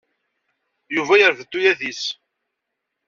Yuba yerfed tuyat-is.